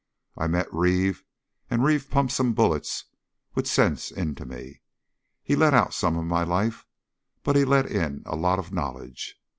I met Reeve, and Reeve pumped some bullets with sense into me. He let out some of my life, but he let in a lot of knowledge.